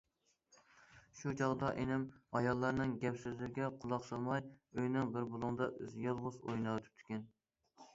شۇ چاغدا ئىنىم ئاياللارنىڭ گەپ- سۆزلىرىگە قۇلاق سالماي، ئۆينىڭ بىر بۇلۇڭىدا ئۆزى يالغۇز ئويناۋېتىپتىكەن.